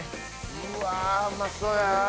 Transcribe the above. うわうまそうや！